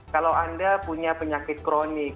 kalau anda punya penyakit kronik